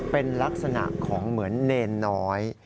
เป็นลักษณะของเหมือนเนรน้อย